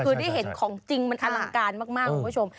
คือได้เห็นของจริงมันอลังการมากคุณผู้ชม